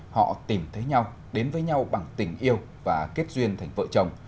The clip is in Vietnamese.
họ tìm thấy nhau đến với nhau bằng tình yêu và kết duyên thành vợ chồng